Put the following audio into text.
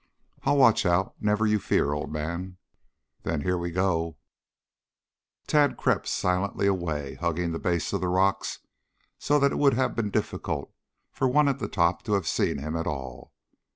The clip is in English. "I'll watch out never you fear, old man." "Then here we go." Tad crept silently away, hugging the base of the rocks so that it would have been difficult for one at the top to have seen him at all.